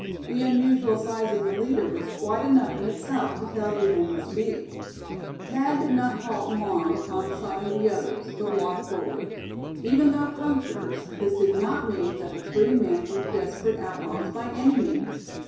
The unusual size of the leader was quite enough in itself to tell who they must be. Thad did not halt long upon sighting the others, but walked forward. Even though poachers, this did not mean that the three men were desperate outlaws by any means.